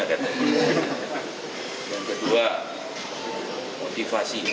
yang kedua motivasi